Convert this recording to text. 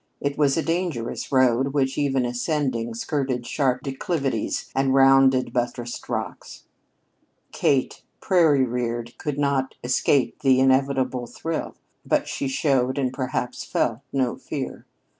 It was a dangerous road, which, ever ascending, skirted sharp declivities and rounded buttressed rocks. Kate, prairie reared, could not "escape the inevitable thrill," but she showed, and perhaps felt, no fear.